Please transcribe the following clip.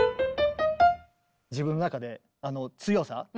自分の中で強さ。